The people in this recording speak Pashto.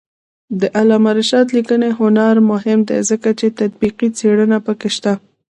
د علامه رشاد لیکنی هنر مهم دی ځکه چې تطبیقي څېړنه پکې شته.